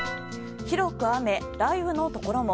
広く雨、雷雨のところも。